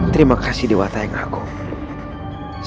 terima kasih dewa dayang agung